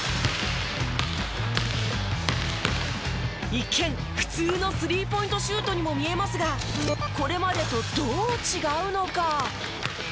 一見普通のスリーポイントシュートにも見えますがこれまでとどう違うのか？